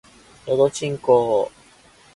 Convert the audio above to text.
のどちんこぉ